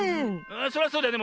それはそうだよね。